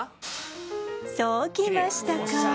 そうきましたか！